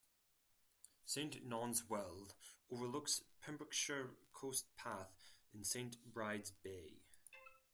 Saint Non's Well overlooks the Pembrokeshire Coast Path and Saint Brides Bay.